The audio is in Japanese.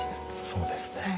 そうですね。